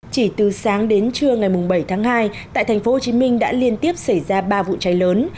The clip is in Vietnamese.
chỉ từ sáng đến trưa ngày bảy tháng hai tại tp hcm đã liên tiếp xảy ra ba vụ cháy lớn